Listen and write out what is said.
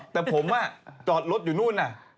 แต่ผมฟะจอดรถอยู่นู่นน่ะ